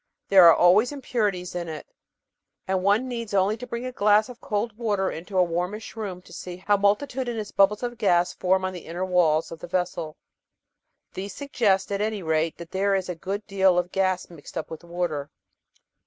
There are always impurities in it, and one needs only to bring a glass of cold water into a warmish room to see how multitudinous bubbles of gas form on the inner walls of the vessel. These suggest, at any rate, that there is a good deal of gas mixed up with the water.